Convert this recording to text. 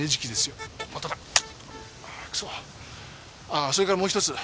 ああそれからもう一つ。